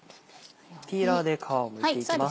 ピーラーで皮をむいていきます。